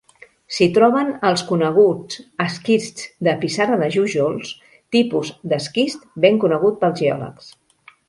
S'hi troben els coneguts esquists de pissarra de Jújols, tipus d'esquist ben conegut pels geòlegs.